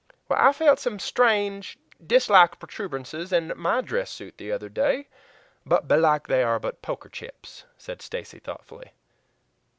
"I felt some strange, disklike protuberances in my dress suit the other day, but belike they are but poker chips," said Stacy thoughtfully.